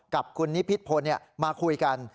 กับคุณนิพิษพลมาคุยกัน